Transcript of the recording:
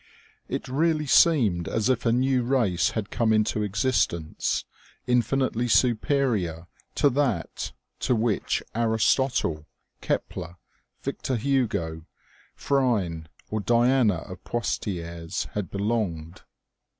It really seemed as if a new race had come into existence, infinitely superior to that to which Aris OMEGA. 219 totle, Kepler, Victor Hugo, Phryne, or Diana of Poictiers ' had belonged.